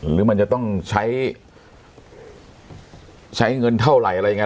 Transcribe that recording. หรือมันจะต้องใช้ใช้เงินเท่าไหร่อะไรยังไง